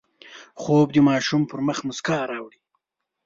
خوب د ماشوم پر مخ مسکا راوړي